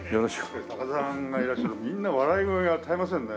高田さんがいらっしゃるとみんな笑い声が絶えませんね。